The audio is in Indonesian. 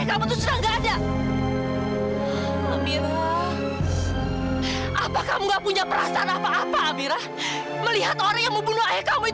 ikutin jejak kakak lo yang pergi sana tuh